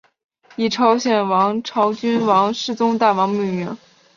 以朝鲜王朝君王世宗大王命名。